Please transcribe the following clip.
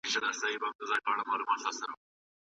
د مطالعې تنده په ځان کي پيدا کړئ او کتاب ولولئ.